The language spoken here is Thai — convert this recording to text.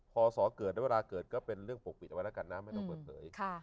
พอสอเกิดแล้วเวลาเกิดก็เป็นเรื่องปกปิดเอาไว้แล้วกันนะไม่ต้องเปิดเผย